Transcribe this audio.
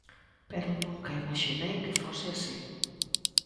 Pero nunca imaxinei que fose así.